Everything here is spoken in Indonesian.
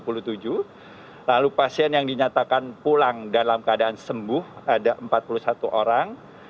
lalu pasien yang dinyatakan pulang dalam keadaan sembuh ada empat puluh satu orang